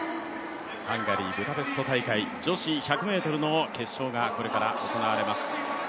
ハンガリー、ブダペスト大会、女子１００ｍの決勝がこれから行われます。